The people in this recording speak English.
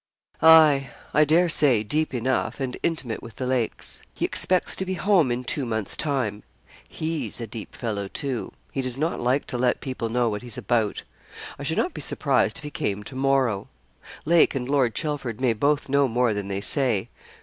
'Aye, I dare say, deep enough, and intimate with the Lakes. He expects to be home in two months' time. He's a deep fellow too; he does not like to let people know what he's about. I should not be surprised if he came to morrow. Lake and Lord Chelford may both know more than they say.